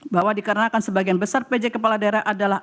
bahwa dikarenakan sebagian besar pj kepala daerah adalah